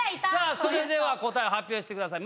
それでは答えを発表してください。